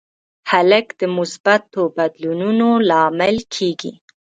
هلک د مثبتو بدلونونو لامل کېږي.